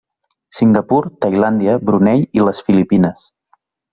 Singapur, Tailàndia, Brunei i les Filipines.